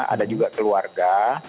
ada juga keluarga